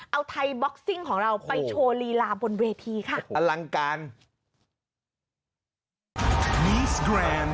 เอาไทยบ็อกซิ่งของเราไปโชว์ลีลาบนเวทีค่ะอลังการ